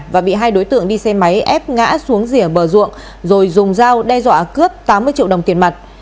và bị hai đối tượng đi xe máy ép ngã xuống rìa bờ ruộng rồi dùng dao đe dọa cướp tám mươi triệu đồng tiền mặt